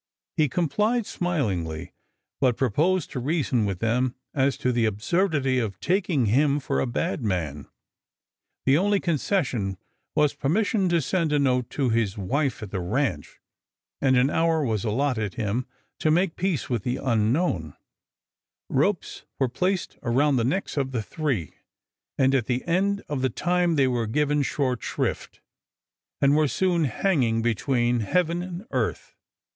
He complied smilingly, but proposed to reason with them as to the absurdity of taking him for a bad man. The only concession was permission to send a note to his wife at the ranch, and an hour was allotted him to make peace with the Unknown; ropes were placed around the necks of the three, and at the end of the time they were given short shrift, and were soon hanging between heaven and earth.